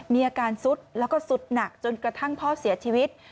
มีอาการซุดแล้วก็สุดหนักจนกระทั่งพ่อเสียชีวิต